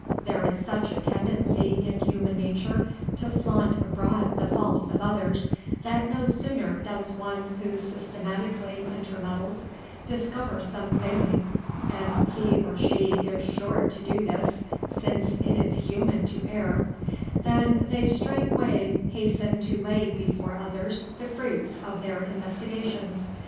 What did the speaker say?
There is such a tendency in human nature to flaunt abroad the faults of others, that no sooner does one who systematically intermeddles, discover some failing—and he or she is sure to do this, since it is human to err—than they straightway hasten to lay before others the fruits of their investigations.